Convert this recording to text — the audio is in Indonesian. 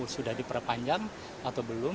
sudah diperpanjang atau belum